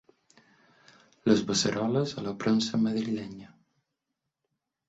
Les beceroles a la premsa madrilenya.